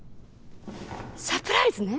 サプライズね！